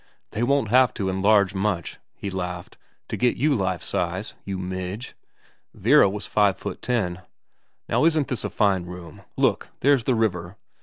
They won't have to enlarge much,' he laughed, * to get you life size, you midge. Vera was five foot ten. Now isn't this a fine room ? Look there's the river.